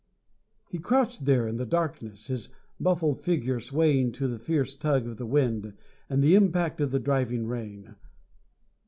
He crouched there in the darkness, his muffled figure swaying to the fierce tug of the wind and the impact of the driving rain.